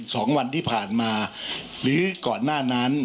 สองวันที่ผ่านมาหรือก่อนหน้านั้น